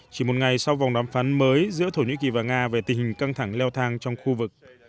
chỉ một ngày sau vòng đàm phán mới giữa thổ nhĩ kỳ và nga về tình hình căng thẳng leo thang trong khu vực